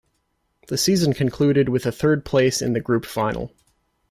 The season concluded with a third place in the group final.